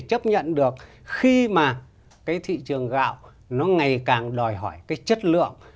chấp nhận được khi mà cái thị trường gạo nó ngày càng đòi hỏi cái chất lượng